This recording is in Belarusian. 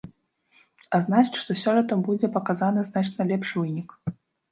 А значыць, што сёлета будзе паказаны значна лепшы вынік.